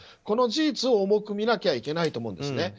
この事実を重く見なきゃいけないと思うんです。